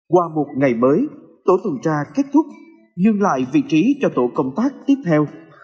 qua một ngày mới tổ tuần tra kết thúc dừng lại vị trí cho tổ công tác tiếp theo